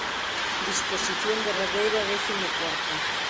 Disposición derradeira décimo cuarta.